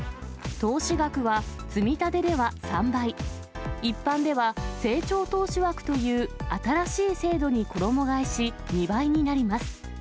投資額はつみたてでは３倍、一般では成長投資枠という新しい制度に衣がえし、２倍になります。